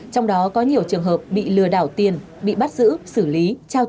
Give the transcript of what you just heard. trong đó có nhiều trường hợp bị lừa đảo tiền bị bắt giữ xử lý